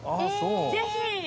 ぜひ！